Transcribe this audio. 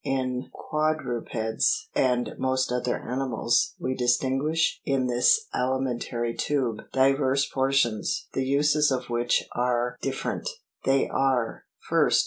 In quadrupeds and most other animals, we distinguish, in this alimentary tube, diverse portions, the uses of which are diffe rent ; they are : 1st.